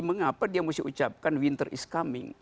mengapa dia mesti ucapkan winter is coming